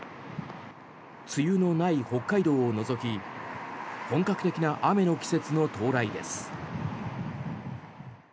梅雨のない北海道を除き本格的な雨の季節の到来です。